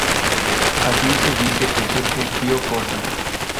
Así se dice que surge Tío Cosa.